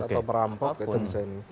atau merampok gitu misalnya